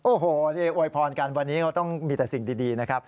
โอ้โหที่อวยพรกันวันนี้เขาต้องมีแต่สิ่งดีนะครับ